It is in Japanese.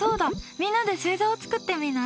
みんなで星座を作ってみない？